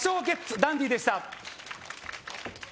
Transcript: ダンディでした